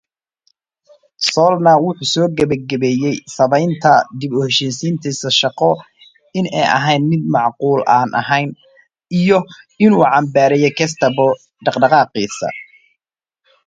Zoellner concluded that this made his reconciliatory work impossible and criticised the Gestapo activities.